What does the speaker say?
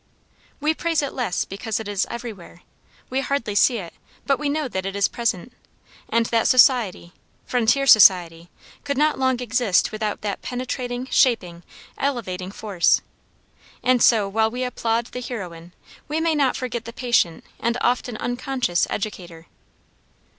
We praise it less because it is everywhere. We hardly see it, but we know that it is present, and that society frontier society could not long exist without that penetrating, shaping, elevating force. And so while we applaud the heroine we may not forget the patient and often unconscious educator.